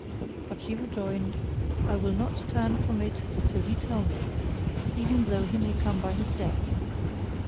But she rejoined, "I will not turn from it till he tell me, even though he come by his death."